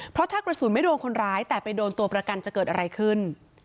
เพราะถ้ากระสุนไม่โดนคนร้ายแต่ไปโดนตัวประกันจะเกิดอะไรขึ้น